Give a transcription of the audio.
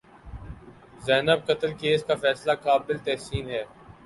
زینب قتل کیس کا فیصلہ قابل تحسین ہے۔